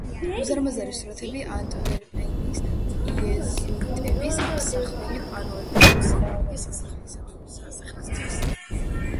უზარმაზარი სურათები ანტვერპენის იეზუიტების ამსახველი პანოები ლუქსემბურგის სასახლისთვის.